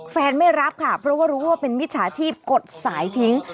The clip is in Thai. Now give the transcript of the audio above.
ไม่รับค่ะเพราะว่ารู้ว่าเป็นมิจฉาชีพกดสายทิ้ง